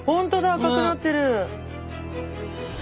赤くなってる！